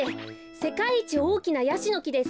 せかいいちおおきなヤシのきです。